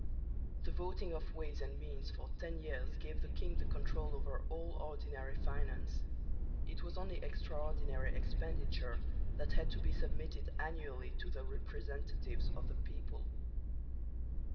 The voting of ways and means for ten years gave the king the control over all ordinary finance; it was only extraordinary expenditure that had to be submitted annually to the representatives of the people.